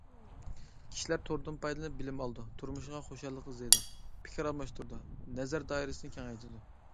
كىشىلەر توردىن پايدىلىنىپ بىلىم ئالىدۇ، تۇرمۇشىغا خۇشاللىق ئىزدەيدۇ، پىكىر ئالماشتۇرىدۇ، نەزەر دائىرىسىنى كېڭەيتىدۇ.